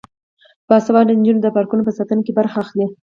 باسواده نجونې د پارکونو په ساتنه کې برخه اخلي.